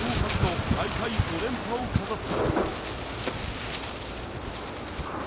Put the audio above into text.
史上初の大会５連覇を飾った。